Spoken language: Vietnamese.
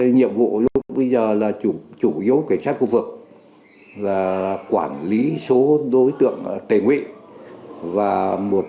nhiệm vụ lúc bây giờ là chủ yếu cảnh sát khu vực là quản lý số đối tượng tề nguyện